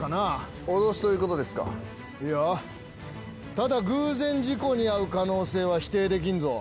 ただ偶然事故に遭う可能性は否定できんぞ。